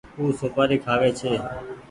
او سوپآري ڪآ کآوي ڇي۔